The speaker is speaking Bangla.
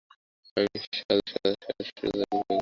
আমি শাসুজাকে ভয় করি নে, আমি শাজাহানকে ভয় করি নে।